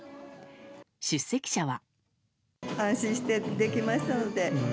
出席者は。